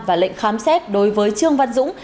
và lệnh khám xét đối với trương văn dũng